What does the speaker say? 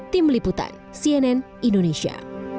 tim liputan cnn indonesia